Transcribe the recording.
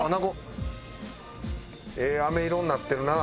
ええあめ色になってるな。